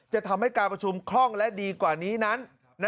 จะทำให้การประชุมคล่องและดีกว่านี้นั้น